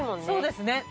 そうですね。